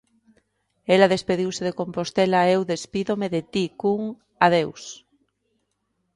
Ela despediuse de Compostela e eu despídome de ti cun ¡adeus!